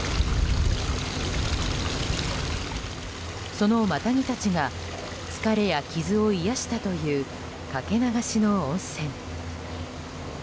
そのマタギたちが疲れや傷を癒やしたというかけ流しの温泉。